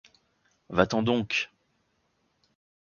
Va-t'en donc!